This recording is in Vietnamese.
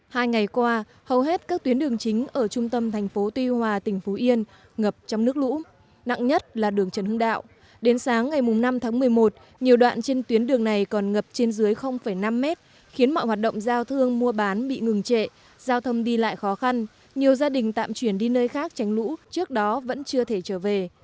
hai ngày qua hầu hết các tuyến đường chính ở trung tâm thành phố tuy hòa tỉnh phú yên ngập trong nước lũ nặng nhất là đường trần hưng đạo đến sáng ngày năm tháng một mươi một nhiều đoạn trên tuyến đường này còn ngập trên dưới năm mét khiến mọi hoạt động giao thương mua bán bị ngừng trệ giao thông đi lại khó khăn nhiều gia đình tạm chuyển đi nơi khác tránh lũ trước đó vẫn chưa thể trở về